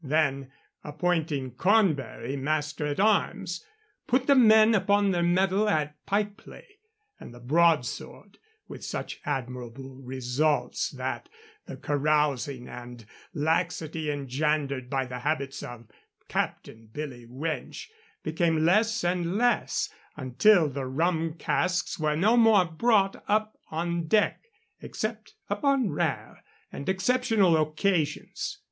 Then, appointing Cornbury master at arms, put the men upon their mettle at pike play and the broadsword with such admirable results that the carousing and laxity engendered by the habits of Captain Billy Winch became less and less, until the rum casks were no more brought up on deck, except upon rare and exceptional occasions.